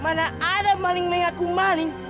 mana ada maling mengaku maling